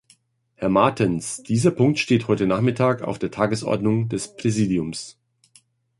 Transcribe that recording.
Herr Martens, dieser Punkt steht heute nachmittag auf der Tagesordnung des Präsidiums.